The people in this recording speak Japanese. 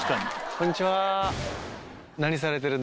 こんにちは。